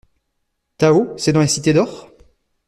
Tao c'est dans les cités d'or?